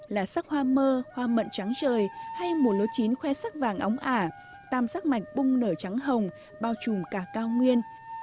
là sắc hoa mơ hoa mận trắng trời hay một lỗ chín khoe sắc vàng ống ả tam sắc mạch bung nở trắng hồng bao trùm cả cao nguyên